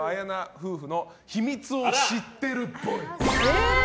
夫婦の秘密を知ってるっぽい。